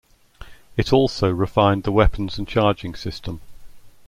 It also refined the weapons and charging system.